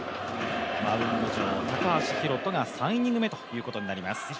マウンド上、高橋宏斗が３イニング目ということになります。